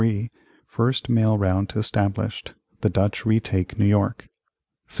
First mail route established The Dutch retake New York 1674.